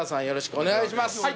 よろしくお願いします。